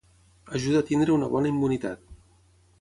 ajuda a tenir una bona immunitat